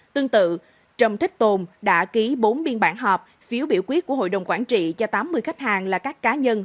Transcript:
tương tự trầm thích tồn đã ký bốn biên bản họp phiếu biểu quyết của hội đồng quản trị cho tám mươi khách hàng là các cá nhân